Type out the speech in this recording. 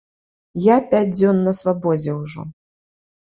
Я пяць дзён на свабодзе ўжо.